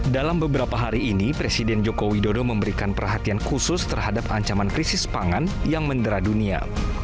dalam beberapa hari ini presiden joko widodo memberikan perhatian khusus terhadap ancaman krisis pangan yang mendera dunia